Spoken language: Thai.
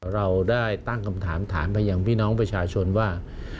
เราได้ตั้งคำถามถามไปยังพี่น้องประชาชนว่า